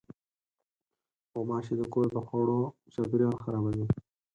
غوماشې د کور د خوړو چاپېریال خرابوي.